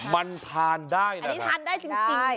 มันทานได้นะครับ